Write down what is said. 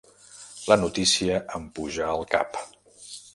La notícia em puja al cap.